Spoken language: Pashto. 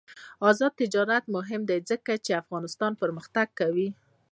آزاد تجارت مهم دی ځکه چې افغانستان پرمختګ کوي.